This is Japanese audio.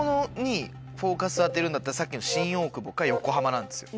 当てるんだったらさっきの新大久保か横浜なんですよ。